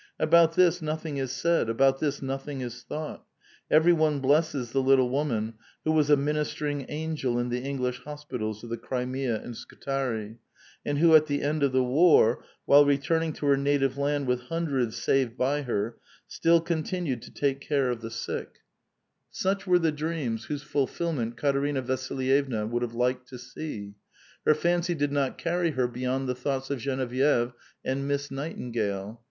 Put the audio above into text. About this nothing is said, about this nothing is thought; every one blesses the little woman, who was a ministering angel in the English hospitals of the Krimea and Skutari, and who at the end of the war, while returning to her native land with hun dreds saved by her, still continued to take care of the sick. f 422 A VITAL QUESTION. Such were the dreams whose fulfilment Katerina VasilyeVDa would have liked to see. Her fancy did not carr}* her beyond the thoughts of Genevieve and Miss Nightingale.